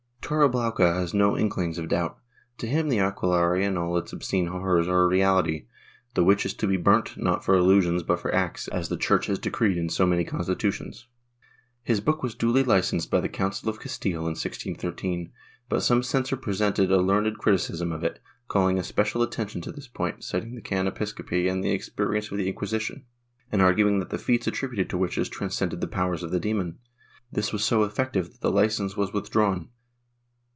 Torreblanca has no inklings of doubt; to him the aquelarre and all its obscene horrors are a reality; the witch is to be burnt, not for illusions but for acts, as the Church has decreed in so many constitutions.^ His book was duly licensed by the Council of Castile in 1613, but some censor presented a learned criticism of it, calling especial attention to this point, citing the can. Episcopi and the experience of the Inquisition, and arguing that the feats attributed to witches transcended the powers of the demon. This was so effective that the licence was withdrawn.